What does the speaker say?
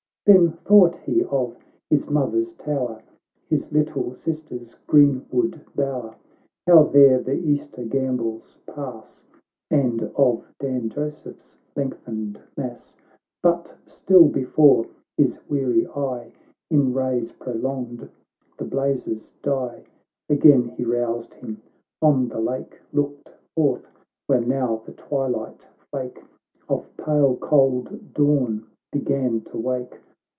Then thought he of his mother's tower, His little sisters' green wood bower, How there the Easter gambols pass, And of Dan Joseph's lengthened mass. But still before his weary eye In rays prolonged the blazes die — Again he roused him — on the lake Looked forth, where now the twilight flake Of pale cold dawn began to wake.